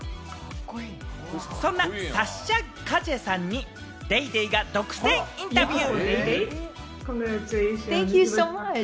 そんなサッシャ・カジェさんに『ＤａｙＤａｙ．』が独占インタビュー。